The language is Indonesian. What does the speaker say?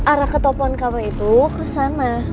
arah ke tokoan kafe itu kesana